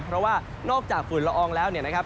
เพราะว่านอกจากฝุ่นละอองแล้วเนี่ยนะครับ